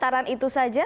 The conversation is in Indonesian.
jadi tataran itu saja